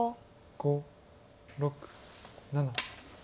５６７。